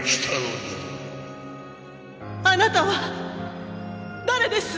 あなたは誰です！？